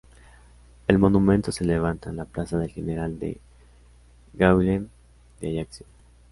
El monumento se levanta en la plaza del general de Gaulle de Ajaccio.